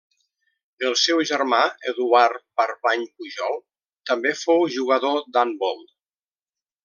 El seu germà Eduard Barbany Pujol també fou jugador d'handbol.